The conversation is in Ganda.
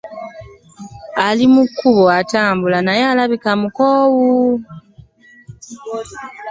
Ali mu kkubo atambula naye alabika mukoowu.